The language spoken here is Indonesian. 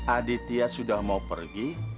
aditya sudah mau pergi